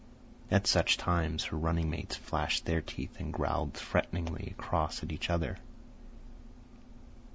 At such times her running mates flashed their teeth and growled threateningly across at each other.